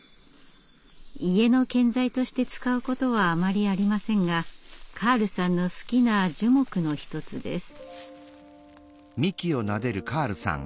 家の建材として使うことはあまりありませんがカールさんの好きな樹木の一つです。